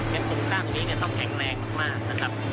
การผุนแล้วทราบดูมันต้องแข็งแรงมากนะครับ